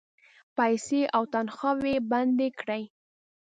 پیسې او تنخواوې بندي کړې.